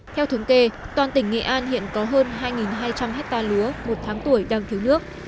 theo thống kê toàn tỉnh nghệ an hiện có hơn hai hai trăm linh hectare lúa một tháng tuổi đang thiếu nước